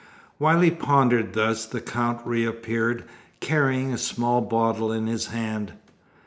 While he pondered thus the Count reappeared, carrying a small bottle in his hand.